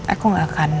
aku gak akan